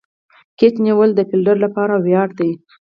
کېچ نیول د فیلډر له پاره ویاړ دئ.